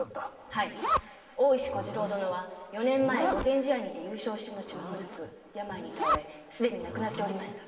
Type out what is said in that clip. はい大石小次郎殿は四年前御前試合にて優勝したのちまもなく病に倒れすでに亡くなっておりました。